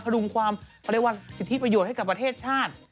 ดุงความปริวัติสิทธิประโยชน์ให้กับประเทศชาติ